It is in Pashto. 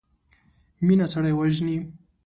مينه سړی وژني.